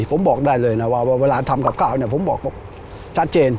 ผมบอกได้เลยนะว่าเวลาทำกับข้าวเนี่ยผมบอกชัดเจน